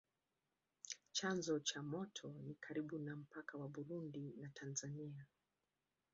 Chanzo cha mto ni karibu na mpaka wa Burundi na Tanzania.